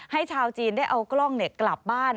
ให้ชาวจีนได้เอากล้องเน็ตกลับบ้าน